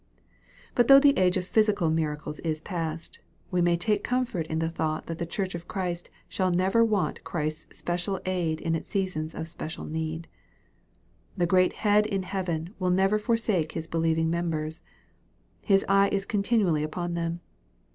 But though the age of physical miracles is past, we may take comfort in the thought that the church of Christ shall never want Christ's special aid in its seasons of special need. The great Head in heaven will never forsake His believing members. His eye is continually upon them.